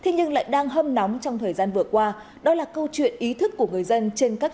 nhưng lại đang hâm nóng trong thời gian vừa qua đó là câu chuyện ý thức của người dân trên các